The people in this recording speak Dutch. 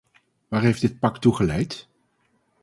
Waar heeft dit pact toe geleid?